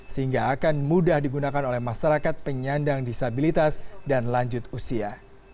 sehingga akan mudah digunakan oleh masyarakat penyandang disabilitas dan lanjut usia